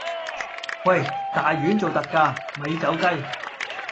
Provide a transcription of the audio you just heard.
喂！大丸做特價，咪走雞